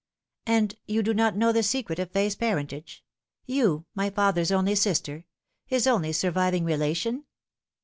" And you do not know the secret of Fay's parentage you, my father's only sister his only surviving relation